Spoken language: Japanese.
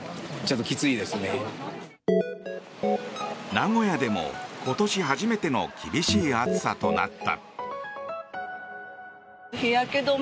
名古屋でも今年初めての厳しい暑さとなった。